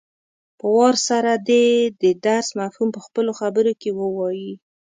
په وار سره دې د درس مفهوم په خپلو خبرو کې ووايي.